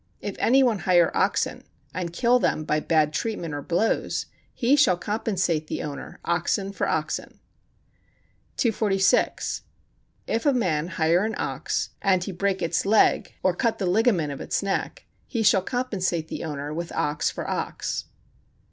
If any one hire oxen, and kill them by bad treatment or blows, he shall compensate the owner, oxen for oxen. 246. If a man hire an ox, and he break its leg or cut the ligament of its neck, he shall compensate the owner with ox for ox.